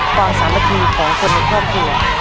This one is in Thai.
ความสามารถของคนในครอบครัว